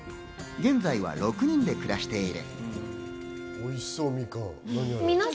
現在は６人で暮らしている。